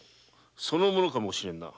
その者かもしれんな。